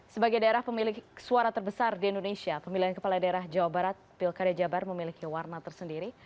sebagai daerah pemilik suara terbesar di indonesia pemilihan kepala daerah jawa barat pilkada jabar memiliki warna tersendiri